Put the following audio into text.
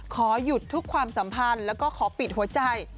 ขอหยุดทุกความสัมพันธ์แล้วก็ขอปิดหัวใจ